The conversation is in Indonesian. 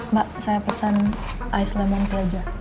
mbak saya pesan ais lemon kejah